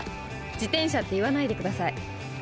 自転車って言わないでください。